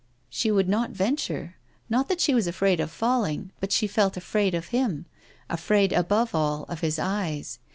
She would not venture. Not that she was afraid of falling, but she felt afraid of him, afraid above all of his eyes.